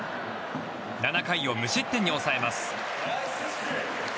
７回を無失点に抑えます。